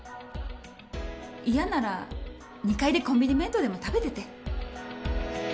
嫌なら２階でコンビニ弁当でも食べてて。